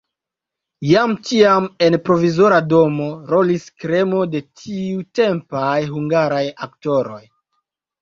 Jam tiam en provizora domo rolis kremo de tiutempaj hungaraj aktoroj.